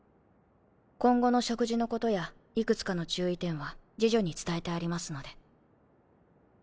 今後の食事のことやいくつかの注意点は侍女に伝えてありますので。